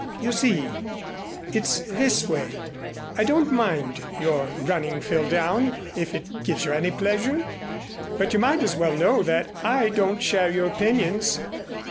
"You see it's this way. I don't mind your running Phil down, if it gives you any pleasure, but you might as well know that I don't share your opinions.